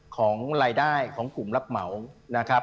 ของรายได้ของกลุ่มรับเหมานะครับ